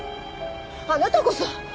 あなたこそ。